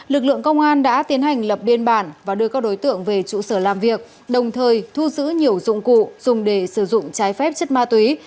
lực lượng công an đã tiến hành lập biên bản và đưa các đối tượng về trụ sở làm việc đồng thời thu giữ nhiều dụng cụ dùng để sử dụng trái phép chất ma túy